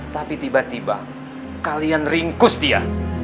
tapi tiba tiba kalian ringkus dia